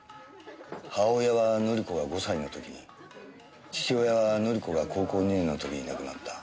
母親は紀子が５歳の時に父親は紀子が高校２年の時に亡くなった。